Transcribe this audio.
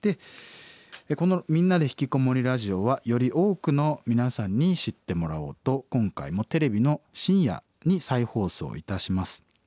この「みんなでひきこもりラジオ」はより多くの皆さんに知ってもらおうと今回もテレビの深夜に再放送いたします。